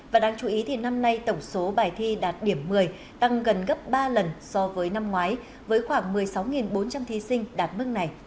và đáng chú ý thì năm nay tổng số bài thi đạt điểm một mươi tăng gần gấp ba lần so với năm ngoái với khoảng một mươi sáu bốn trăm linh thí sinh đạt mức này